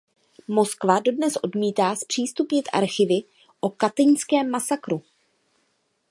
Moskva dodnes odmítá zpřístupnit archivy o katyňském masakru.